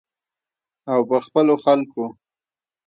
او په خپلو خلکو.